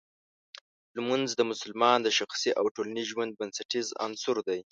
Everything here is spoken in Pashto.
لمونځ د مسلمان د شخصي او ټولنیز ژوند بنسټیز عنصر دی.